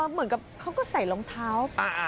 เหมือนกับเขาก็ใส่รองเท้า